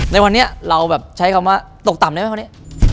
ในวันนี้เราแบบใช้คำว่าตกต่ำได้ไหมคนนี้